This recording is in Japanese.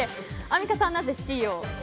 アンミカさん、なぜＣを？